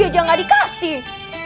icu aja gak dikasih